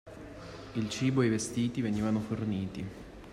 Il cibo e i vestiti venivano forniti.